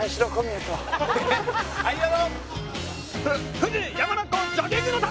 富士山中湖ジョギングの旅！